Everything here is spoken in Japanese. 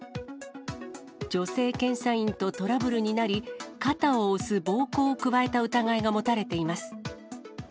女性検査員とトラブルになり、肩を押す暴行を加えた疑いが持たれています。